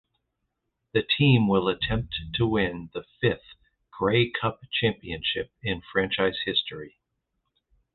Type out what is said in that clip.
The team will attempt to win the fifth Grey Cup championship in franchise history.